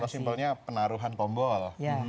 contoh simpelnya penaruhan tombol